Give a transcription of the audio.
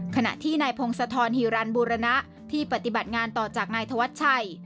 ขณะที่นายพงศธรฮีรันบูรณะที่ปฏิบัติงานต่อจากนายธวัชชัย